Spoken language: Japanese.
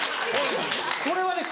これはね